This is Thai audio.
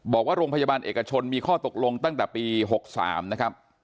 บอกว่าโรงพยาบาลเอกชนมีข้อตกลงตั้งแต่ปี๖๓นะครับ